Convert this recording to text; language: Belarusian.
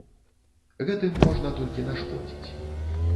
Гэтым можна толькі нашкодзіць.